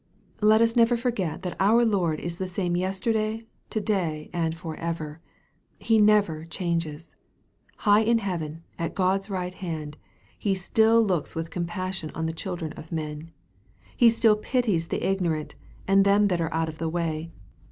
Let us never forget that our Lord is the same yester day, to day, and for ever. He never changes. High in heaven, at God's right hand, He still looks with com passion on the children of men. He still pities the ignorant, and them that are out of the way.